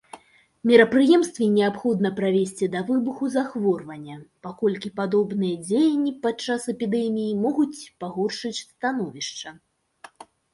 Мерапрыемствы неабходна правесці да выбуху захворвання, паколькі падобныя дзеянні падчас эпідэміі могуць пагоршыць становішча.